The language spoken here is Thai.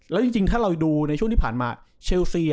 แล้วจริงถ้าเราดูในช่วงที่ผ่านมาเชลซี